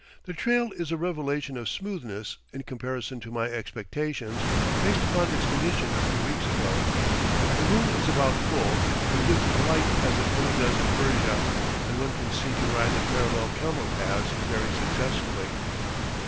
The trail is a revelation of smoothness, in comparison to my expectations, based upon its condition a few weeks ago. The moon is about full, and gives a light as it only does in Persia, and one can see to ride the parallel camel paths very successfully.